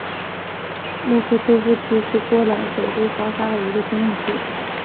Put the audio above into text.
莫科托夫区是波兰首都华沙的一个行政区。